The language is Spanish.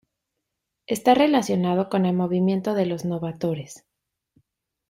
Está relacionado con el movimiento de los novatores.